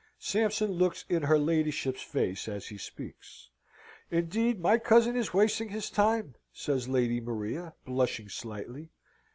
Sampson looks in her ladyship's face as he speaks. "Indeed, my cousin is wasting his time," says Lady Maria, blushing slightly.